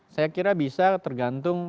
saya kira bisa tergantung